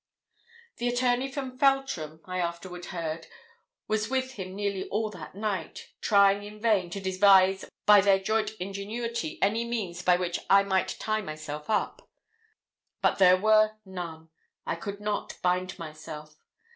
The attorney from Feltram, I afterwards heard, was with him nearly all that night, trying in vain to devise by their joint ingenuity any means by which I might tie myself up. But there were none. I could not bind myself.